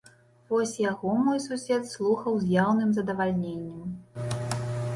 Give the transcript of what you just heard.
Вось яго мой сусед слухаў з яўным задавальненнем.